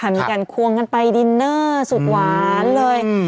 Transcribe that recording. มีการควงกันไปดินเนอร์สุดหวานเลย